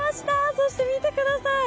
そして、見てください！